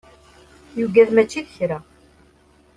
Yugad mačči d kra.